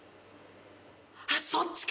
あっそっちか！